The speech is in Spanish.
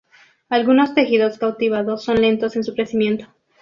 Algunos tejidos cultivados son lentos en su crecimiento.